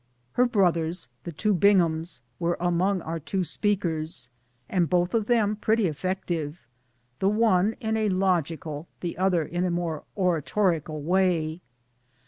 Her brothers, the two Binghams, were among our two speakers, and both of them pretty effective, the one in a logical, the other in a more oratorical way.